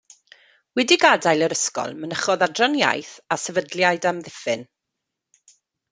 Wedi gadael yr ysgol mynychodd Adran Iaith a Sefydliad Amddiffyn.